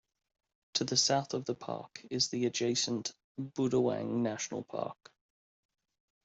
To the south of the park is the adjacent Budawang National Park.